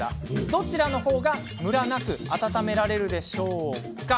どちらの方がムラなく温められるでしょうか。